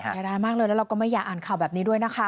เสียดายมากเลยแล้วเราก็ไม่อยากอ่านข่าวแบบนี้ด้วยนะคะ